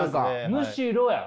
「むしろ」や。